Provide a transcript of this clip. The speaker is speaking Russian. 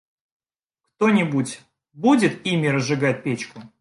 Кто-нибудь будет ими разжигать печку.